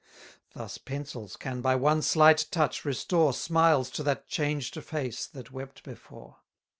Thus pencils can by one slight touch restore Smiles to that changed face that wept before.